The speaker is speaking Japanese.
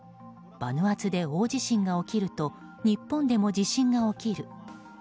バヌアツで大地震が起きると日本でも地震が起きる。